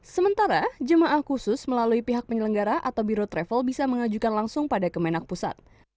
sementara jemaah khusus melalui pihak penyelenggara atau biro travel bisa mengajukan langsung pada kemenak pusat